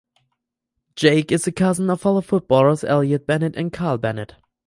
Jake is the cousin of fellow footballers Elliott Bennett and Kyle Bennett.